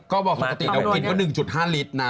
ก็บอกปกติเรากินก็๑๕ลิตรนะ